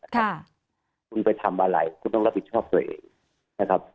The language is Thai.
คุณไปทำอะไรคุณต้องรับผิดชอบตัวเองนะครับ